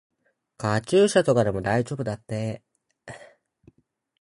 カチューシャとかでも大丈夫だって。